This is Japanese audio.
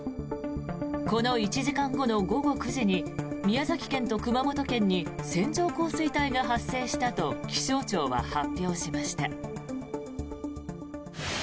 この１時間後の午後９時に宮崎県と熊本県に線状降水帯が発生したと気象庁は発表しました。